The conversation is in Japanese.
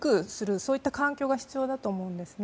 そういった環境が必要だと思うんですね。